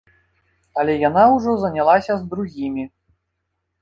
Але яна ўжо занялася з другімі.